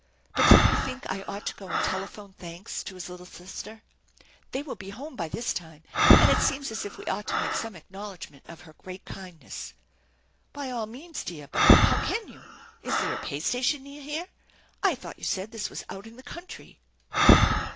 But don't you think I ought to go and telephone thanks to his little sister? They will be home by this time, and it seems as if we ought to make some acknowl edgment of her great kindness." " By all means, dear ; but how can you ? Is there a pay station near here? I thought you said this was out in the country."